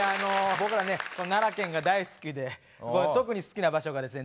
僕ら奈良県が大好きで特に好きな場所がですね